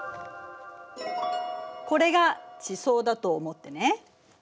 これが地層だと思ってね。